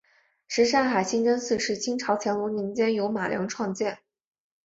什刹海清真寺是清朝乾隆年间由马良创建。